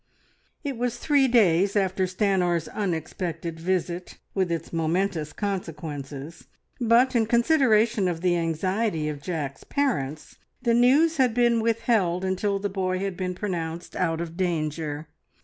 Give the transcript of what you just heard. It was three days after Stanor's unexpected visit with its momentous consequences, but in consideration of the anxiety of Jack's parents, the news had been withheld until the boy had been pronounced out of danger.